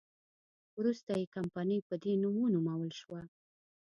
وروسته یې کمپنۍ په دې نوم ونومول شوه.